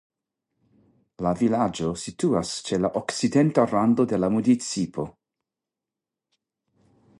La vilaĝo situas ĉe la okcidenta rando de la municipo.